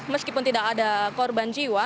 meskipun tidak ada korban jiwa